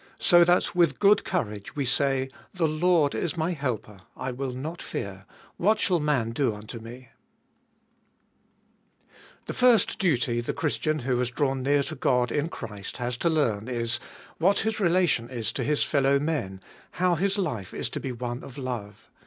6. So that with good courage we say, The Lord is my helper ; I will not fear : What shall man do unto me P THE first duty the Christian who has drawn near to God in Christ has to learn is, what his relation is to his fellow men, how his life is to be one of love.